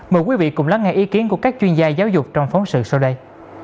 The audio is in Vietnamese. mời quý vị cùng lắng nghe ý kiến của các chuyên gia giáo dục trong phóng sự sau đây